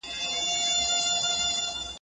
هغه زما لیونی